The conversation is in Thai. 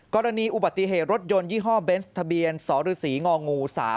กรณีอุบัติเหตุรถยนต์ยี่ห้อเบนส์ทะเบียนสรศรีงองู๓